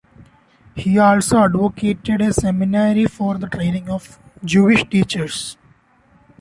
He also advocated a seminary for the training of Jewish teachers.